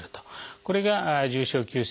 これが重症急性